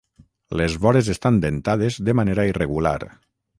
Les vores estan dentades de manera irregular.